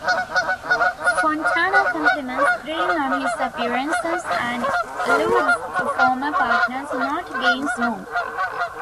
Fontana compliments Green on his appearance, and alludes to former partners not being "smooth".